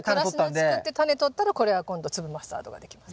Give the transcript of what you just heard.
カラシナつくってタネとったらこれは今度粒マスタードができます。